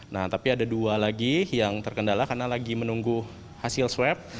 nah tapi ada dua lagi yang terkendala karena lagi menunggu hasil swab